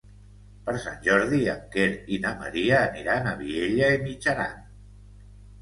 Per Sant Jordi en Quer i na Maria aniran a Vielha e Mijaran.